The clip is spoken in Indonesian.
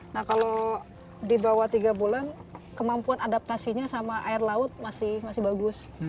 nah kalau di bawah tiga bulan kemampuan adaptasinya sama air laut masih bagus